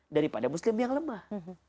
daripada muslim yang lemah